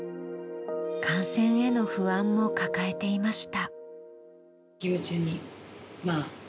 感染への不安も抱えていました。